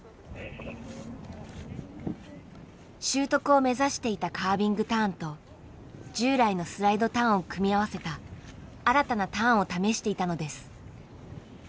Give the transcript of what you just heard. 習得を目指していたカービングターンと従来のスライドターンを組み合わせた新たなターンを試していたのです。